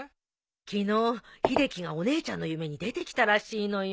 昨日秀樹がお姉ちゃんの夢に出てきたらしいのよ。